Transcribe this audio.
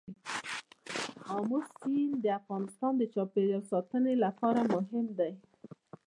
آمو سیند د افغانستان د چاپیریال ساتنې لپاره مهم دي.